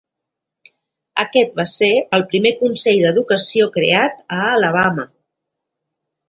Aquest va ser el primer consell d"educació creat a Alabama.